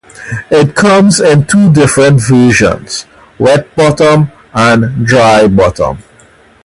It comes in two different versions: wet bottom and dry bottom.